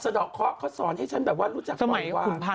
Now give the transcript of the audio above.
สน่อเค้าที่สอนให้ฉันรู้จักของอีกว่า